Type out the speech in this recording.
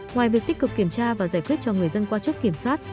ngoài việc tích cực kiểm tra và giải quyết cho người dân qua chốt kiểm soát